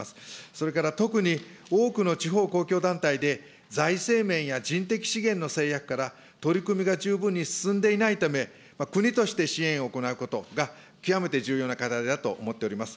それから特に多くの地方公共団体で財政面や人的資源の制約から取り組みが十分に進んでいないため、国として支援を行うことが、極めて重要な課題だと思っております。